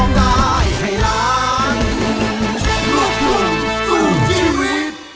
ได้